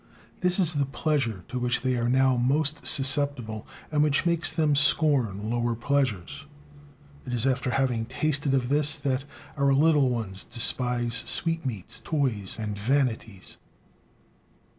This is the "pleasure" to which they are now most susceptible, and which makes them scorn lower pleasures; it is after having tasted of this that; our little ones despise sweetmeats, toys, and vanities.